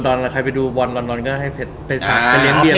บรรถูกแม่งโดนถามเนี้ย